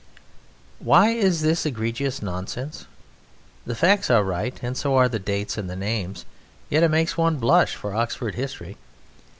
Why is this egregious nonsense? The facts are right and so are the dates and the names, yet it makes one blush for Oxford history.